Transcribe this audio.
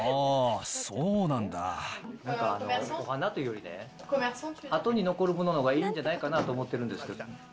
なんかお花というよりね、あとに残るもののほうがいいんじゃないかなと思ってるんですけど。